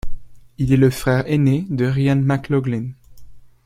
Il est le frère aîné de Ryan McLaughlin.